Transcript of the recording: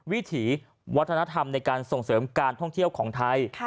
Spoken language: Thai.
วิถีวัฒนธรรมในการส่งเสริมการท่องเที่ยวของไทย